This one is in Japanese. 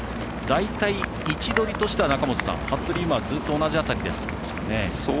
位置取りとしては中本さんずっと同じ辺りで走っていますね。